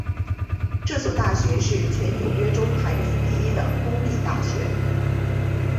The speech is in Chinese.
这所大学是全纽约州排名第一的公立大学。